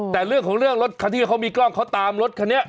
แต่เรื่องของเรื่องรถคันที่เขามีกล้องเขาตามรถคันนี้